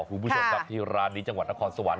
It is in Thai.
คุณผู้ชมครับที่ร้านนี้จังหวัดนครสวรรค